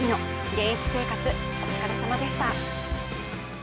現役生活、お疲れさまでした。